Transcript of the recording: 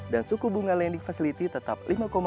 dan suku bunga lending facility tetap lima lima